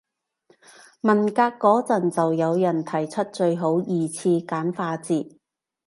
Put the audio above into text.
文革嗰陣就有人提出最好二次簡化字